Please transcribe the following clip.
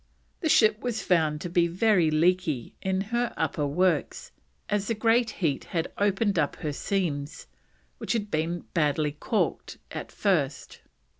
The ship was found to be very leaky in her upper works, as the great heat had opened up her seams which had been badly caulked at first.